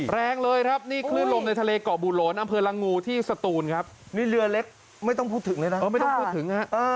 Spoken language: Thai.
แรงเลยครับนี่คลื่นลมในทะเลเกาะบูโหลนอำเภอละงูที่สตูนครับนี่เรือเล็กไม่ต้องพูดถึงเลยนะไม่ต้องพูดถึงฮะ